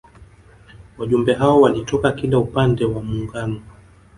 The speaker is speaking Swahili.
Wajumbe hao walitoka kila upande wa Muungano